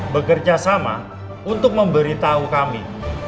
bekerja sama untuk memberitahu kami